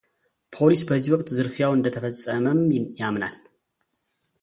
ፖሊስ በዚህ ወቅት ዝርፊያው እንደተፈጸመም ያምናል።